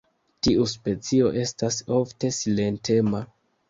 Tiu specio estas ofte silentema.